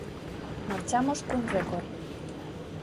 Marchamos cun récord.